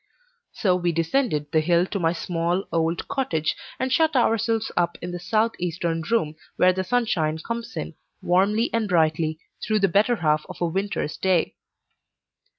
So we descended the hill to my small, old cottage, and shut ourselves up in the south eastern room, where the sunshine comes in, warmly and brightly, through the better half of a winter's day.